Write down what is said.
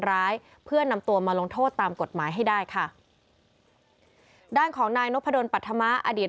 ร้ายเพื่อนำตัวมาลงโทษตามกฎหมายให้ได้ค่ะด้านของนายนพดลปัธมะอดีต